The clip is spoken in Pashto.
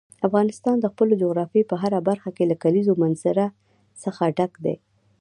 افغانستان د خپلې جغرافیې په هره برخه کې له کلیزو منظره څخه ډک دی.